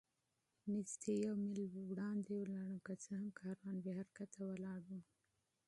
نږدې یو میل وړاندې ولاړم، که څه هم کاروان بې حرکته ولاړ و.